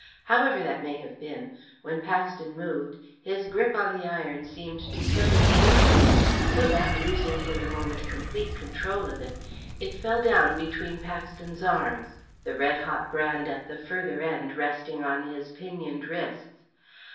However that may have been, when Paxton moved his grip on the iron seemed to suddenly loosen, so that, losing for the moment complete control of it, it fell down between Paxton's arms, the red hot brand at the further end resting on his pinioned wrists.